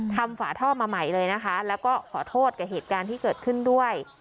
ฝาท่อมาใหม่เลยนะคะแล้วก็ขอโทษกับเหตุการณ์ที่เกิดขึ้นด้วย